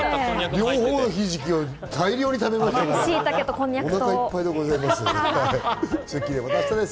両方のひじきを大量に食べましたから、お腹いっぱいでございます。